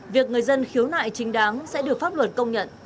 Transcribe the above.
việc người dân khiếu nại chính đáng sẽ được pháp luật công nhận